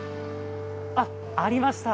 あっ、ありました。